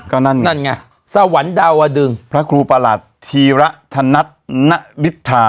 ก็นั่นไงนั่นไงสวรรค์ดาวดึงพระครูประหลัดธีระธนัทนฤทธา